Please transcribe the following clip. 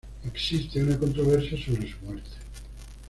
Existe una controversia sobre su muerte.